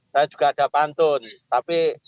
saya juga ada pantun tapi